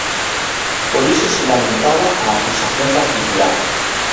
Por iso se lamentaba a acusación particular.